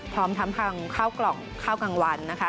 พร้อมทั้งทางข้าวกล่องข้าวกลางวันนะคะ